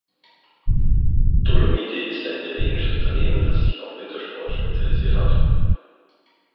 Dolomite ist ein italienisches Unternehmen, das sich auf Wintersport spezialisiert hat.